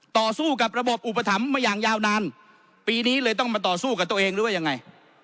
ต่อสู้กับระบบอุปถัมภ์มาอย่างยาวนานปีนี้เลยต้องมาต่อสู้กับตัวเองหรือว่ายังไง